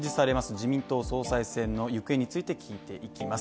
自民党総裁選の行方について聞いていきます。